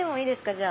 じゃあ。